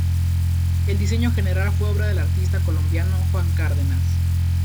El diseño general fue obra del artista colombiano Juan Cárdenas.